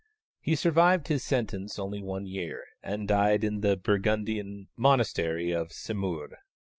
He survived his sentence only one year, and died in the Burgundian monastery of Semur.